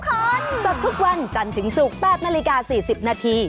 สดทุกวันจันทร์ถึงศุกร์๘นาฬิกา๔๐นาที